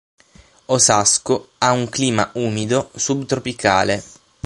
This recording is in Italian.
Osasco ha un clima umido, subtropicale.